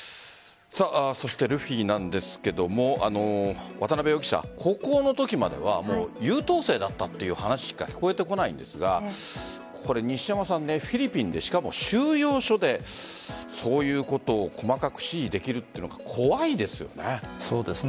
そして、ルフィなんですが渡辺容疑者高校の時までは優等生だったという話しか聞こえてこないんですがフィリピンで、しかも収容所でそういうことを細かく指示できるというのが怖いですね。